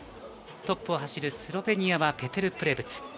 トップを走るスロベニアはペテル・プレブツ。